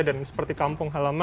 dan seperti kampung halaman